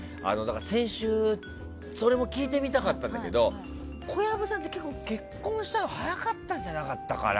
先週、それも聞いてみたかったんだけど小籔さんって結婚したの早かったんじゃないかな。